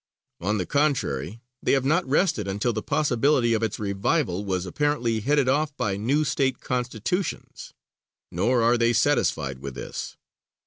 On the contrary, they have not rested until the possibility of its revival was apparently headed off by new State Constitutions. Nor are they satisfied with this.